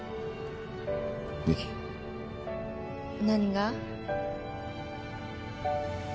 何が？